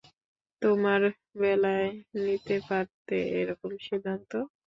তোমার বেলায় নিতে পারতে এরকম সিদ্ধান্ত?